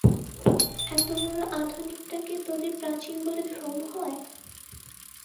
এত বড়ো আধুনিকটাকে তোদের প্রাচীন বলে ভ্রম হয়?